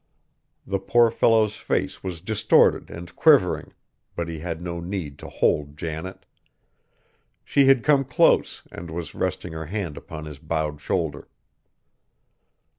The poor fellow's face was distorted and quivering, but he had no need to hold Janet. She had come close and was resting her hand upon his bowed shoulder.